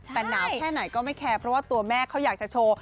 แต่หนาวแค่ไหนก็ไม่แคร์เพราะว่าตัวแม่เขาอยากจะโชว์